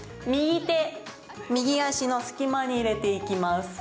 右手、右足の隙間に入れていきます